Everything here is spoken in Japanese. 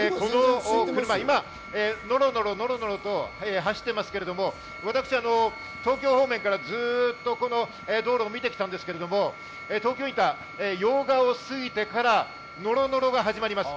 今、ノロノロ、ノロノロと走っていますけれども、私、東京方面からずっと道路を見てきたんですけれども、用賀を過ぎてからノロノロが始まります。